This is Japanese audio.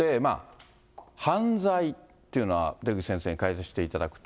犯罪というのは、出口先生に解説していただくと。